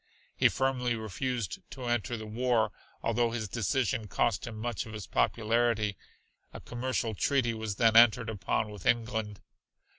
He firmly refused to enter the war although his decision cost him much of his popularity. A commercial treaty was then entered upon with England.